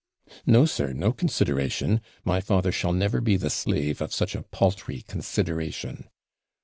'No, sir; no consideration my father never shall be the slave of such a paltry consideration.'